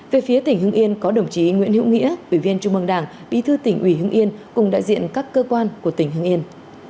về phía tỉnh hưng yên có đồng chí nguyễn hữu nghĩa ủy viên trung mương đảng bí thư tỉnh ủy hưng yên cùng đại diện các cơ quan của tỉnh hưng yên